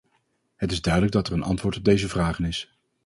Het is duidelijk dat er een antwoord op deze vragen is.